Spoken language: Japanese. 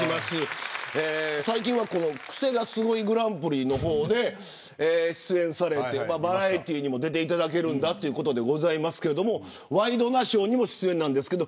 最近はクセがスゴいＧＰのほうで出演されてバラエティーにも出ていただけるということですけどワイドナショーにも出演です。